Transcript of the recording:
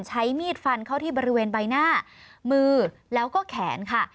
ใช้มีดฟันเข้าที่บริเวณใบหน้ามือแล้วก็แขนค่ะ